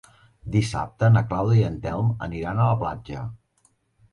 Dissabte na Clàudia i en Telm aniran a la platja.